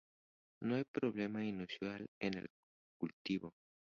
No hay problema inusual en el cultivo.